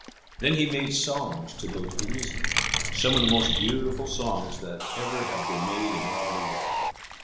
Then he made songs to go to the music, some of the most beautiful songs that ever have been made in all the world.